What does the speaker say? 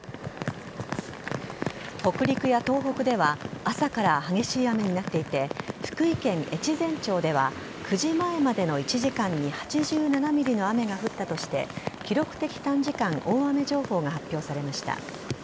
北陸や東北では朝から激しい雨になっていて福井県越前町では９時前までの１時間に８７ｍｍの雨が降ったとして記録的短時間大雨情報が発表されました。